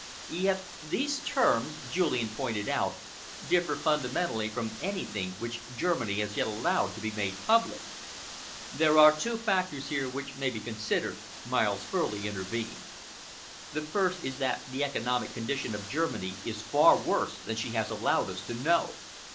"Yet these terms," Julian pointed out, "differ fundamentally from anything which Germany has yet allowed to be made public." "There are two factors here which may be considered," Miles Furley intervened. "The first is that the economic condition of Germany is far worse than she has allowed us to know.